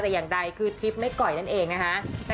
แต่อย่างใดคือทริปไม่ก่อยนั่นเองนะคะ